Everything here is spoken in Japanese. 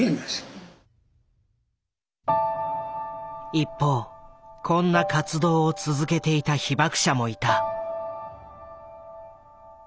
一方こんな活動を続けていた被爆者もいた。